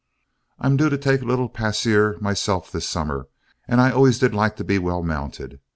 I'm due to take a little pasear myself this summer, and I always did like to be well mounted.